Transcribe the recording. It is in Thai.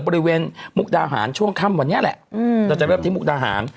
มุกดาหารช่วงค่ำวันนี้แหละเราจะเริ่มที่มุกดาหาร